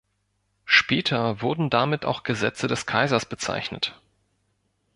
Später wurden damit auch Gesetze des Kaisers bezeichnet.